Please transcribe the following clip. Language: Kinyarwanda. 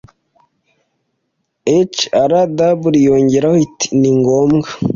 hrw yongeraho iti: ni ngombwa